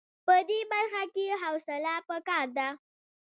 په دې برخه کې حوصله په کار ده.